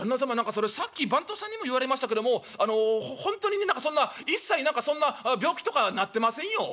それさっき番頭さんにも言われましたけどもあのほんとにそんな一切何かそんな病気とかなってませんよお」。